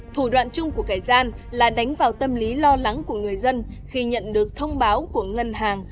thủ đoạn chung của kẻ gian là đánh vào tâm lý lo lắng của người dân khi nhận được thông báo của ngân hàng